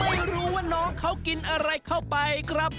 ไม่รู้ว่าน้องเขากินอะไรเข้าไปครับ